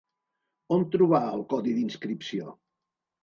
On trobar el codi d'inscripció?